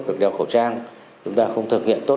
việc đeo khẩu trang chúng ta không thực hiện tốt